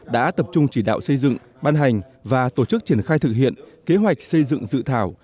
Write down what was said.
đã tập trung chỉ đạo xây dựng ban hành và tổ chức triển khai thực hiện kế hoạch xây dựng dự thảo